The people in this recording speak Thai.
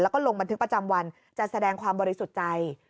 แล้วก็ลงบันทึกประจำวันจะแสดงความบริสุทธิ์ใจ